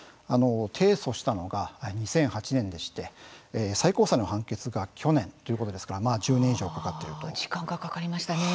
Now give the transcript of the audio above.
提訴したのが２００８年でして最高裁の判決が去年ということですから時間がかかりましたね。